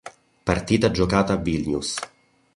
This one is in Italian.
Partita giocata a Vilnius.